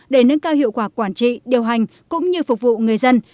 để nâng cao hiệu quả quản trị điều hành cũng như phục vụ người dân